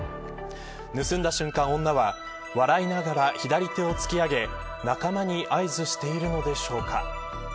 盗んだ瞬間、女は笑いながら左手を突き上げ仲間に合図しているのでしょうか。